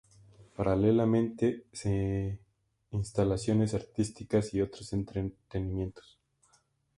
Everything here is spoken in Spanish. Paralelamente se instalaciones artísticas y otros entretenimientos.